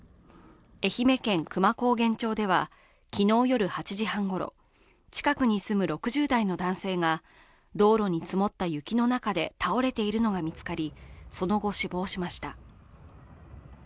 愛媛県久万高原町では昨日夜８時半ごろ、近くに住む６０代の男性が道路に積もった雪の中で倒れているのが見つかり、その後、死亡しました。